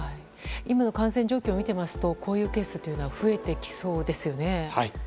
今の感染状況を見ていますとこういうケースが増えてきそうですよね。